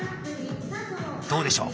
どうでしょう？